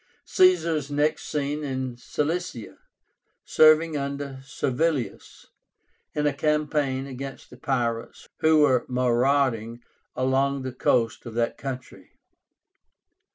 Caesar is next seen in Cilicia, serving under Servilius, in a campaign against the pirates who were marauding along the coast of that country.